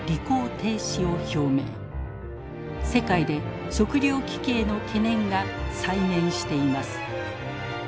世界で食糧危機への懸念が再燃しています。